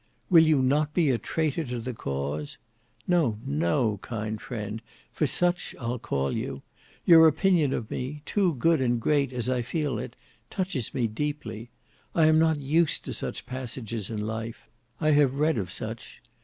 Will you not be a traitor to the cause? No, no, kind friend, for such I'll call you. Your opinion of me, too good and great as I feel it, touches me deeply. I am not used to such passages in life; I have read of such.